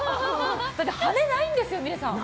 だって羽根ないんですよみれさん。